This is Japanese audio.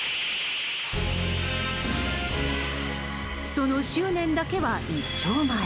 その執念だけは一丁前。